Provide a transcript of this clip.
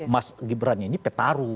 mas gibran ini peta peta gitu loh